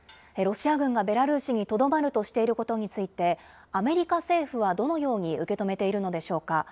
ロシア軍がベラルーシにとどまるとしていることについて、アメリカ政府はどのように受け止めているのでしょうか。